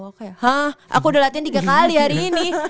oke hah aku udah latihan tiga kali hari ini